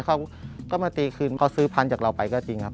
เขาก็มาตีคืนเขาซื้อพันธุ์จากเราไปก็จริงครับ